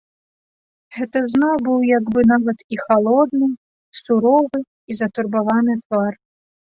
Гэта зноў быў як бы нават і халодны, суровы і затурбаваны твар.